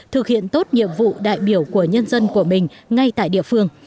thực hiện tốt nhiệm vụ đại biểu của nhân dân của mình ngay tại địa phương